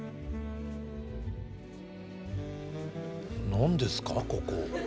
何ですかここ？